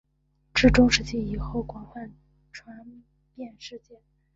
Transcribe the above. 至中世纪以后广泛传遍世界。